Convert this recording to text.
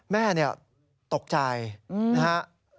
แม่ตกใจนะครับ